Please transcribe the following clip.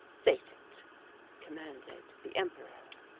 "State it," commanded the Emperor.